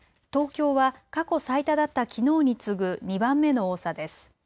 東京は過去最多だったきのうに次ぐ２番目の多さです。